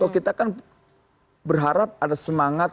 kita kan berharap ada semangat